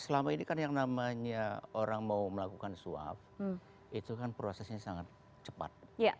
selama ini kan yang namanya orang mau melakukan suap itu kan prosesnya sangat cepat